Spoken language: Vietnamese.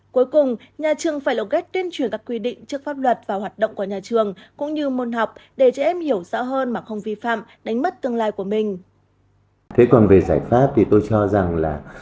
cuối cùng nhà trường phải lộ ghét tuyên truyền các quy định trước pháp luật vào hoạt động của nhà trường